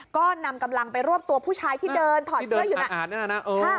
ก็นำกำลังไปรวบตัวผู้ชายที่เดินถอดเสื้ออยู่น่ะนะ